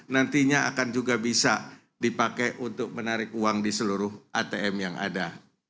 nantinya akan juga bisa dipakai untuk menarik uang di seluruh atm yang ada